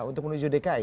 untuk menuju dki